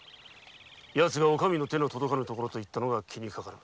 ヤツが「お上の手の届かぬ所」と言ったのが気にかかる。